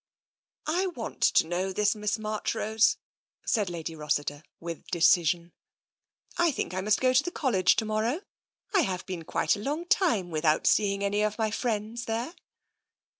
" I want to know this Miss Marchrose," said Lady Rossiter with decision. " I think I must go to the College to morrow — I have been quite a long time without seeing any of my friends there.